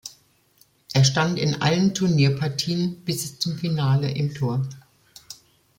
Er stand in allen Turnierpartien bis zum Finale im Tor.